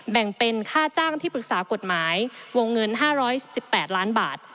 แบ่งเป็นค่าจ้างที่ปรึกษากฎหมายวงเงิน๕๑๘ล้านบาท